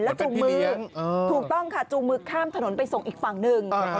จูงมือถูกต้องค่ะจูงมือข้ามถนนไปส่งอีกฝั่งหนึ่ง